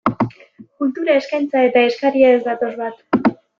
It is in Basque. Kultura eskaintza eta eskaria ez datoz bat.